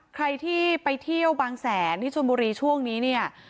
ใครที่ไปเที่ยวบางแสนด้านจนบรีช่วงนี้